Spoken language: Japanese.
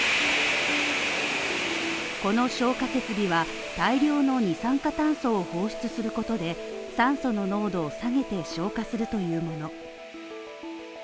この消火設備は大量の二酸化炭素を放出することで、酸素の濃度を下げて消火するというもの。